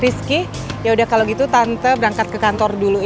rizky ya udah kalau gitu tante berangkat ke kantor dulu ya